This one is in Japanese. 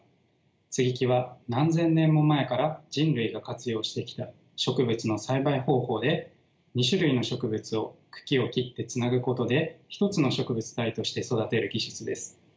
接ぎ木は何千年も前から人類が活用してきた植物の栽培方法で２種類の植物を茎を切ってつなぐことで一つの植物体として育てる技術です。